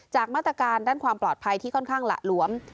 มาตรการด้านความปลอดภัยที่ค่อนข้างหละหลวม